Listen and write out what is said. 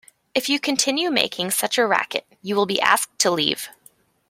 If you continue making such a racket, you will be asked to leave.